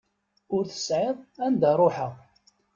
Ur tesɛiḍ anda ruḥeɣ.